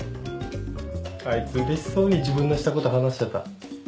あいつうれしそうに自分のしたこと話してた。